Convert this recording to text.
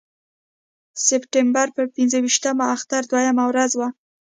د سپټمبر پر پنځه ویشتمه اختر دویمه ورځ وه.